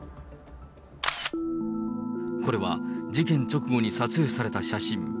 これは、事件直後に撮影された写真。